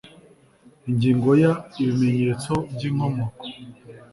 ingingo ya ibimenyetso by inkomoko